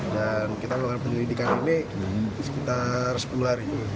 dan kita melakukan penyelidikan ini sekitar sepuluh hari